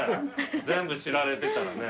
全部知られてたらね。